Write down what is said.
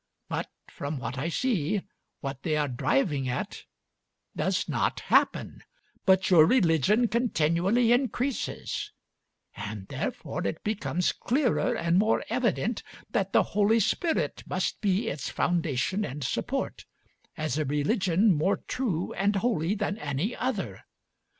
But from what I see, what they are driving at does not happen, but your religion continually increases; and therefore it becomes clearer and more evident that the Holy Spirit must be its foundation and support, as a religion more true and holy than any other.